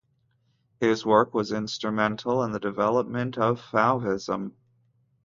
His work was instrumental in the development of Fauvism.